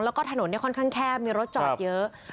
แล้วก็ถนนค่อนข้างแคบมีรถจอดเยอะ